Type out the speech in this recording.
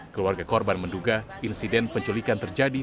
keluarga korban menduga insiden penculikan terjadi